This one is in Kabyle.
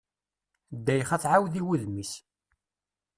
Ddayxa tɛawed i wudem-is.